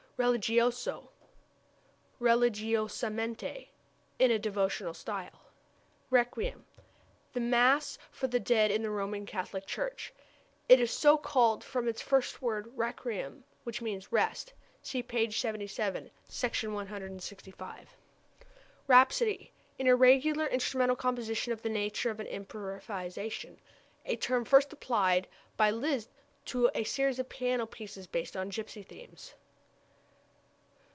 Religioso, religiosamente in a devotional style. Requiem the mass for the dead in the Roman Catholic service. It is so called from its first word requiem which means rest. (See p. 77, Sec. 165.) Rhapsody an irregular instrumental composition of the nature of an improvisation. A term first applied by Liszt to a series of piano pieces based on gypsy themes.